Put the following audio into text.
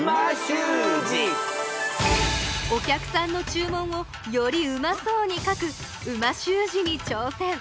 お客さんの注文をよりうまそうに書く美味しゅう字に挑戦！